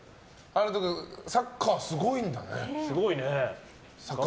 君、サッカーすごいんだね。